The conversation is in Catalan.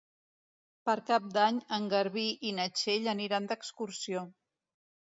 Per Cap d'Any en Garbí i na Txell aniran d'excursió.